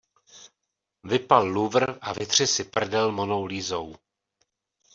Vypal Louvre a vytři si prdel Monou Lisou!